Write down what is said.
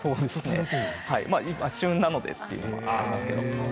旬なのでということもありますけど。